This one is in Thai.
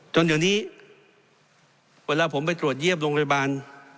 จนเดี๋ยวนี้เวลาผมไปตรวจเยี่ยมโรงพยาบาล